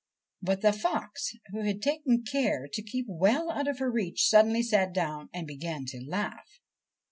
But the fox, who had taken care to keep well out of her reach, suddenly sat down and began to laugh.